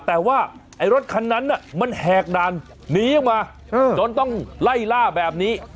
แต่ว่าไอ้รถคันนั้นมันแหกด่านหนีออกมาจนต้องไล่ล่าแบบนี้